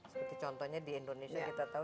seperti contohnya di indonesia kita tahu